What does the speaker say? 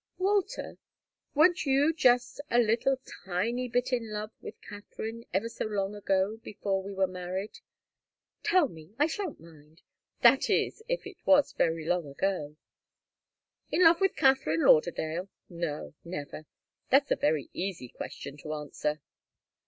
"Walter weren't you just a little tiny bit in love with Katharine, ever so long ago, before we were married? Tell me. I shan't mind that is, if it was very long ago." "In love with Katharine Lauderdale? No never. That's a very easy question to answer."